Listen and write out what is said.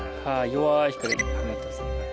弱い光放ってますね。